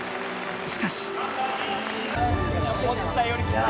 しかし。